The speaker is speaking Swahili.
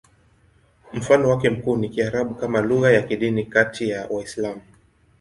Mfano wake mkuu ni Kiarabu kama lugha ya kidini kati ya Waislamu.